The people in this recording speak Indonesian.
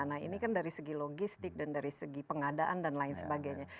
nah ini kan dari segi logistik dan dari segi pengadaan dan lain sebagainya